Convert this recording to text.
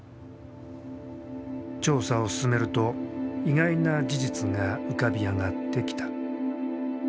調査を進めると意外な事実が浮かび上がってきた。